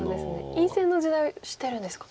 院生の時代を知ってるんですか。